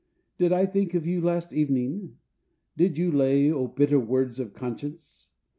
Did I think of you last evening? Dead you lay. O bitter words of conscience!